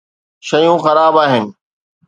شيون خراب آهن.